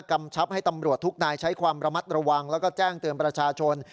กำชับให้ตำรวจทุกนายใช้ความระมัดระวังแล้วก็แจ้งเตือนประชาชน